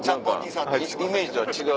イメージとは違う。